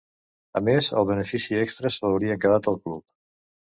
A més, el benefici extra se l’hauria quedat el club.